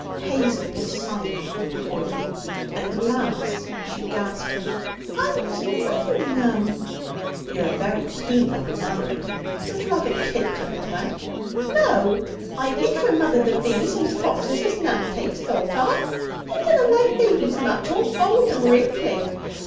Hazel was silent with horror. At last she gasped: 'I was mothering 'em!' 'You're very keen on mothering! Wouldn't you like a kid to mother?' 'No. I'd liefer mother the bees and foxes as none takes thought on. I dunna like babies much all bald and wrinkly.